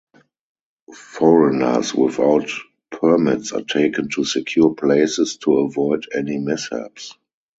Foreigners without permits are taken to secure places to avoid any mishaps.